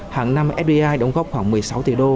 hàng năm fdi đóng góp khoảng một mươi sáu tỷ đô